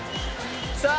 さあ。